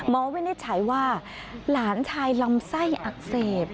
มอเวนิชชายว่าหลานชายลำไส้อักเสบ